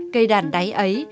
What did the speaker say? cây đàn đáy ấy